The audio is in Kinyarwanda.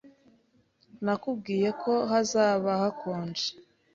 Nakubwiye ko hazaba hakonje.